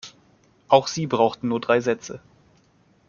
Auch sie brauchten nur drei Sätze.